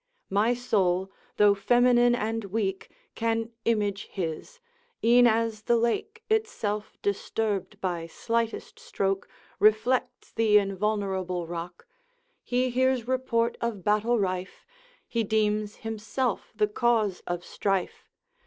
My soul, though feminine and weak, Can image his; e'en as the lake, Itself disturbed by slightest stroke. Reflects the invulnerable rock. He hears report of battle rife, He deems himself the cause of strife.